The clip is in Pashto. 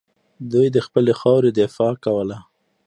دوی د خپلې خاورې دفاع کوله